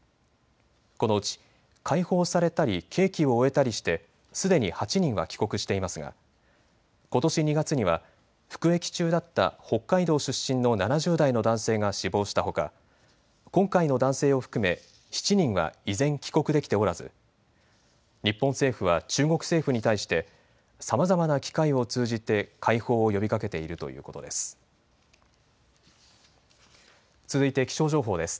このうち解放されたり刑期を終えたりしてすでに８人は帰国していますがことし２月には服役中だった北海道出身の７０代の男性が死亡したほか、今回の男性を含め７人は依然、帰国できておらず日本政府は中国政府に対してさまざまな機会を通じて解放を呼びかけているということです。